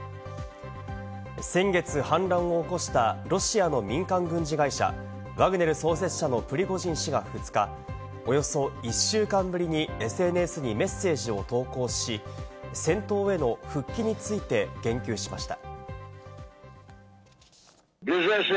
先月、反乱を起こしたロシアの民間軍事会社ワグネル創設者のプリゴジン氏が２日、およそ１週間ぶりにＳＮＳにメッセージを投稿し、戦闘への復帰について言及しました。